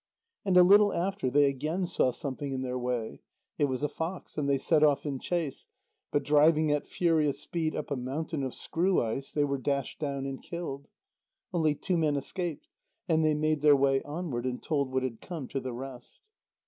And a little after, they again saw something in their way. It was a fox, and they set off in chase, but driving at furious speed up a mountain of screw ice, they were dashed down and killed. Only two men escaped, and they made their way onward and told what had come to the rest.